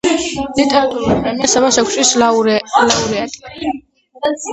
ლიტერატურული პრემია „საბას“ ექვსგზის ლაურეატი.